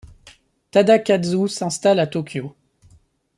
Tadakazu s'installe à Tokyo.